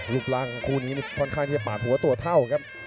รูปร่างของคู่นี้ค่อนข้างที่จะปาดหัวตัวเท่าครับ